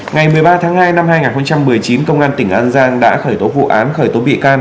ngày một mươi ba tháng hai năm hai nghìn một mươi chín công an tỉnh an giang đã khởi tố vụ án khởi tố bị can